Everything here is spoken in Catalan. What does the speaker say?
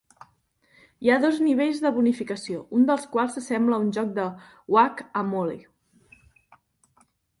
Hi ha dos nivells de bonificació, un dels quals s'assembla a un joc de Whac-A-Mole.